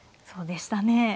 そうでしたね。